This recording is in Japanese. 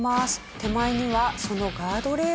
手前にはそのガードレール。